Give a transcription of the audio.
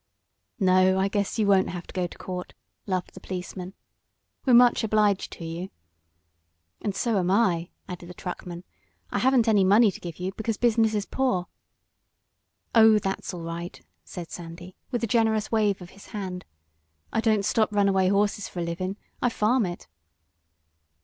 "No, I guess you won't have to go to court," laughed the policeman. "We're much obliged to you." "And so am I," added the truckman. "I haven't got any money to give you, because business is poor " "Oh, that's all right," said Sandy with a generous wave of his hand. "I don't stop runaway horses for a livin'. I farm it."